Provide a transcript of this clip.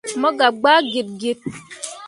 Mo gah gbaa git git.